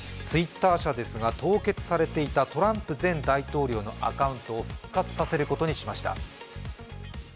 Ｔｗｉｔｔｅｒ社ですが、凍結されていたトランプ前大統領のアカウントを復活させることにしました。